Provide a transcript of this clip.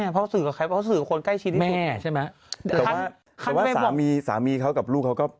เขาคงไปสื่อนะพูดแม่เพราะสื่อกับใคร